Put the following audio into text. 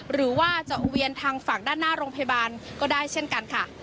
หรือว่าจะเวียนทางฝั่งด้านหน้าโรงพยาบาลก็ได้เช่นกันค่ะ